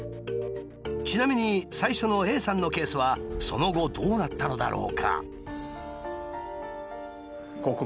ちなみに最初のＡさんのケースはその後どうなったのだろうか？